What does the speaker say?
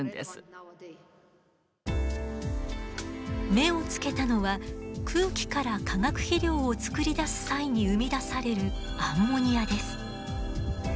目をつけたのは空気から化学肥料を作り出す際に生み出されるアンモニアです。